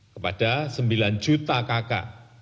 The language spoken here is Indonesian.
kepada sembilan juta kakak